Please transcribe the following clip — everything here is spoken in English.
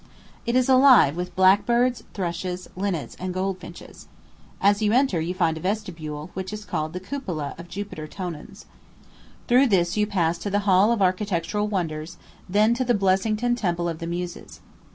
It is alive with blackbirds, thrushes, linnets, and goldfinches. As you enter, you find a vestibule, which is called the cupola of Jupiter Tonans. Through this you pass to "the hall of architectural wonders," then to "the Blessington Temple of the Muses."